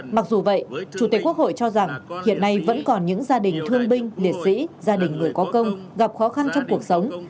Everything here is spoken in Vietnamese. mặc dù vậy chủ tịch quốc hội cho rằng hiện nay vẫn còn những gia đình thương binh liệt sĩ gia đình người có công gặp khó khăn trong cuộc sống